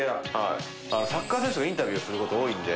サッカー選手とかインタビューすること多いんで。